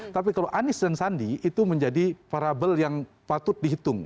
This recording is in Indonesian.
tapi kalau anies dan sandi itu menjadi parabel yang patut dihitung